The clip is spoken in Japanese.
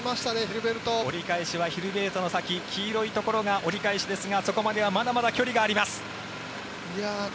折り返しはヒルベルトの先黄色いところが折り返しですがそこまではまだまだ距離があります。